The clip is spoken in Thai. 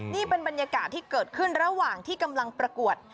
นี่เป็นบรรยากาศที่เกิดขึ้นระหว่างที่กำลังประกวด